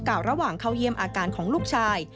ระหว่างเข้าเยี่ยมอาการของลูกชาย